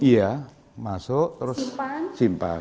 iya masuk terus simpan